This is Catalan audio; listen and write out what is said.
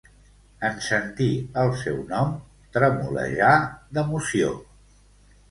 En sentir el seu nom tremolejà d'emoció.